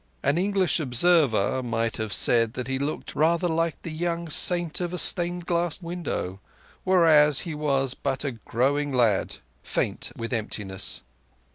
An English observer might have said that he looked rather like the young saint of a stained glass window, whereas he was but a growing lad faint with emptiness.